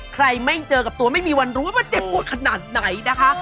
ไม่เจอกับตัวไม่มีวันรู้ว่ามันเจ็บปวดขนาดไหนนะคะ